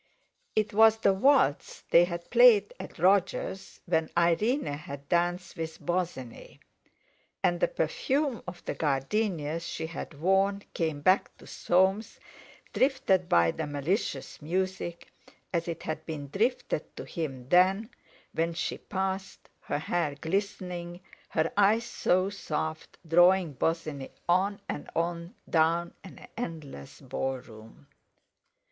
It was the waltz they had played at Roger's when Irene had danced with Bosinney; and the perfume of the gardenias she had worn came back to Soames, drifted by the malicious music, as it had been drifted to him then, when she passed, her hair glistening, her eyes so soft, drawing Bosinney on and on down an endless ballroom.